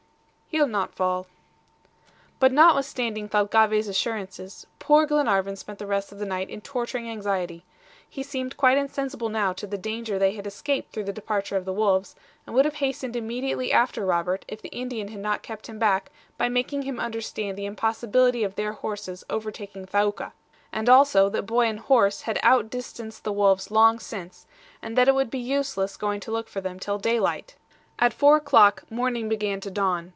"He'll not fall." But notwithstanding Thalcave's assurances, poor Glenarvan spent the rest of the night in torturing anxiety. He seemed quite insensible now to the danger they had escaped through the departure of the wolves, and would have hastened immediately after Robert if the Indian had not kept him back by making him understand the impossibility of their horses overtaking Thaouka; and also that boy and horse had outdistanced the wolves long since, and that it would be useless going to look for them till daylight. At four o'clock morning began to dawn.